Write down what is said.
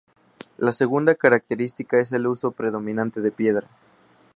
La segunda característica es el uso predominante de piedra.